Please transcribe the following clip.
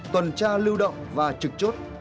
tuần tra lưu động và trực chốt